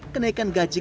kenaikan gaji kembali